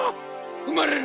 うまれる。